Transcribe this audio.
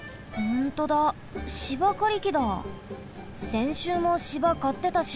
せんしゅうも芝かってたし。